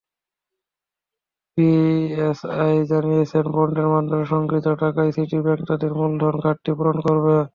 BSEC জানিয়েছে, বন্ডের মাধ্যমে সংগৃহীত টাকায় সিটি ব্যাংক তাদের মূলধন ঘাটতি পূরণ করবে।